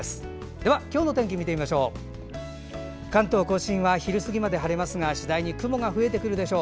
では、今日の天気見てみましょう。